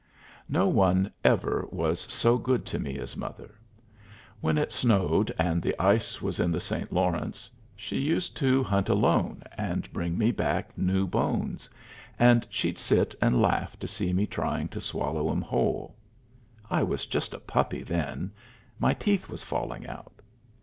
No one ever was so good to me as mother. When it snowed and the ice was in the St. Lawrence, she used to hunt alone, and bring me back new bones, and she'd sit and laugh to see me trying to swallow 'em whole. I was just a puppy then; my teeth was falling out.